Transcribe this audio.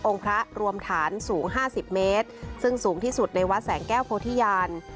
องค์พระรวมฐานสูงห้าสิบเมตรซึ่งสูงที่สุดในวัดแสงแก้วโพธิยาน